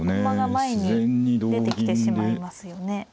駒が前に出てきてしまいますよね。